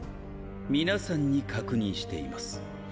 皆さんに確認しています。